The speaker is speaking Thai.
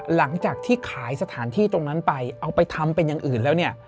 หลังจากที่ขายสถานที่ตรงนั้นไปเอาไปทำเป็นอย่างอื่นแล้วเนี่ย